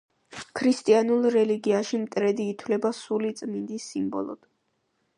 ქრისტიანულ რელიგიაში მტრედი ითვლება სული წმინდის სიმბოლოდ.